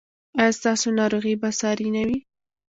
ایا ستاسو ناروغي به ساري نه وي؟